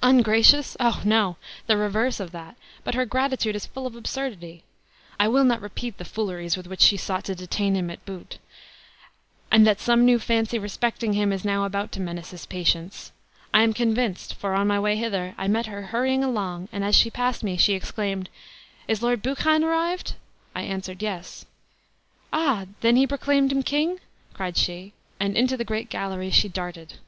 "Ungracious! O, no! the reverse of that; but her gratitude is full of absurdity. I will not repeat the fooleries with which she sought to detain him at Bute. And that some new fancy respecting him is now about to menace his patience. I am convinced; for, on my way hither, I met her hurrying along, and as she passed me she exclaimed, 'Is Lord Buchan arrived?' I answered. 'Yes.' 'Ah, then he proclaimed him king?' cried she; and into the great gallery she darted."